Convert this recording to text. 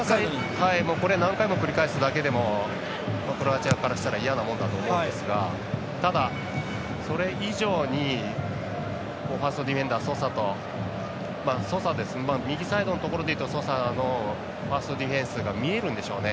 これは何回も繰り返すだけでもクロアチアからしたら嫌なものだと思うんですがただ、それ以上にファーストディフェンダーソサと右サイドで言うところだとソサとファーストディフェンスが見えるんですよね。